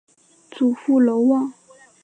祖父娄旺。